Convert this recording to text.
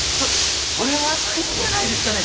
それはないんじゃないですかね？